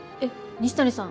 西谷さん